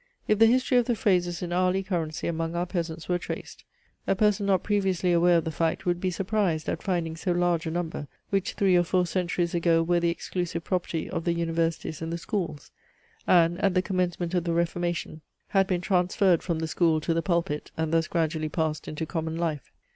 If the history of the phrases in hourly currency among our peasants were traced, a person not previously aware of the fact would be surprised at finding so large a number, which three or four centuries ago were the exclusive property of the universities and the schools; and, at the commencement of the Reformation, had been transferred from the school to the pulpit, and thus gradually passed into common life.